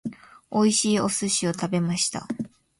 美味しいお寿司を食べました。